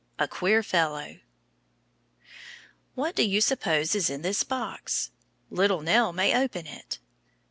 A QUEER FELLOW What do you suppose is in this box? Little Nell may open it.